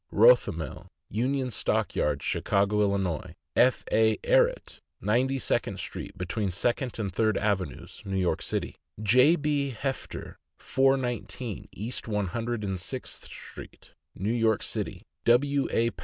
Rothemel, Union Stock Yards, Chicago, 111. ; F. A. Ehret, Ninety second street, between Second and Third avenues, New York City; J. B. Hefter, 419 East One Hundred and Sixth street, New York City; W. A.